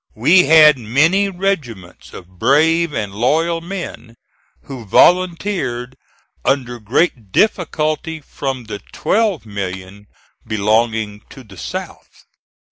We had many regiments of brave and loyal men who volunteered under great difficulty from the twelve million belonging to the South.